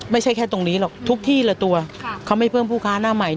ไม่ใช่แค่ตรงนี้หรอกทุกที่ละตัวเขาไม่เพิ่มผู้ค้าหน้าใหม่